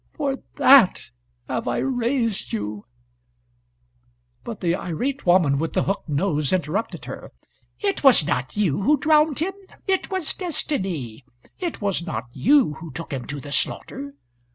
For that have I raised you!" But the irate woman with the hooked nose interrupted her: "It was not you who drowned him; it was Destiny. It was not you who took him to the slaughter.